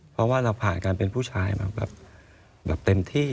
เพราะว่าเราผ่านการเป็นผู้ชายมาแบบเต็มที่